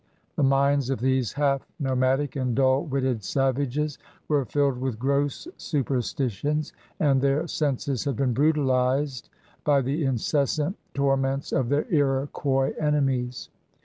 The minds of these half nomadic and dull witted sav ages were filled with gross superstitions, and their senses had been brutalized by the incessant tor ments of their Iroquois enemies.